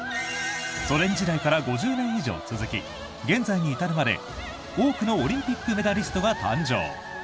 ソ連時代から５０年以上続き現在に至るまで、多くのオリンピックメダリストが誕生。